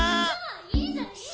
いいじゃんいいじゃん！